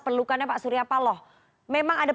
perlukannya pak surya paloh memang ada